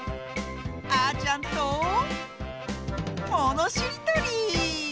あーちゃんとものしりとり！